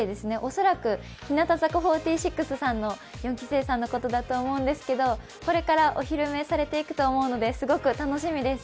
恐らく日向坂４６さんの四期生さんのことだと思うんですけどこれからお披露目されていくと思うので、すごく楽しみです。